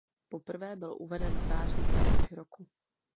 Poprvé byl uveden v září téhož roku.